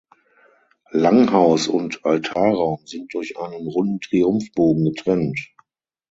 Langhaus und Altarraum sind durch einen runden Triumphbogen getrennt.